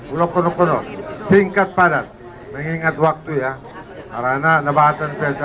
ulah kono kono singkat padat mengingat waktu ya karena nabahatan saya seratus raja